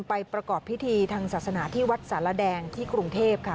ประกอบพิธีทางศาสนาที่วัดสารแดงที่กรุงเทพค่ะ